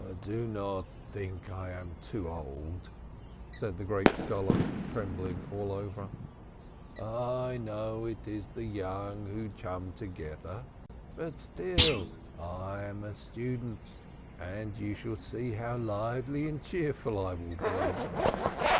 "Do not think I am too old," said the great scholar, trembling all over. "I know it is the young who chum together, but still I am a student. And you shall see how lively and cheerful I will be."